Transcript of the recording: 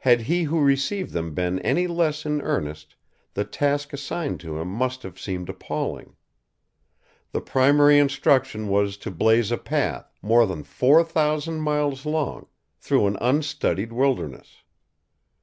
Had he who received them been any less in earnest, the task assigned to him must have seemed appalling. The primary instruction was to blaze a path, more than four thousand miles long, through an unstudied wilderness.